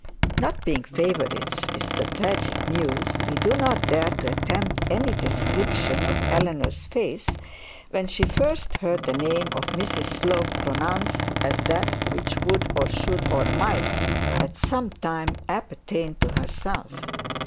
Not being favourites with the tragic muse we do not dare to attempt any description of Eleanor's face when she first heard the name of Mrs Slope pronounced as that which would or should or might at some time appertain to herself.